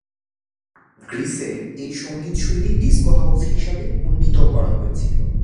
গ্রীসে, এই সঙ্গীত শৈলী "ডিস্কো হাউস" হিসাবে উন্নীত করা হয়েছিল।